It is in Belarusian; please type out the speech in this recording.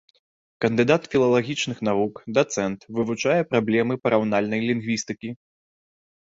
Кандыдат філалагічных навук, дацэнт, вывучае праблемы параўнальнай лінгвістыкі.